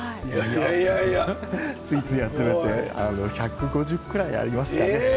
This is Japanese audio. ついつい集めて１５０鉢ぐらいありますかね。